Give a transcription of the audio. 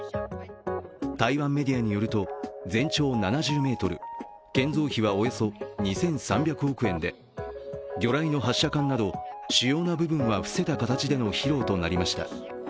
台湾メディアによると、全長７０ｍ、建造費はおよそ２３００億円で、魚雷の発射管など主要な部分は伏せた形での披露となりました。